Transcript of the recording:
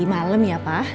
malem ya pak